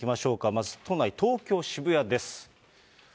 まず都内、東京・渋谷です。